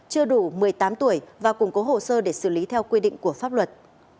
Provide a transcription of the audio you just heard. chưa đủ một mươi tám tuổi và củng cố hồ sơ để xử lý theo quy định của pháp luật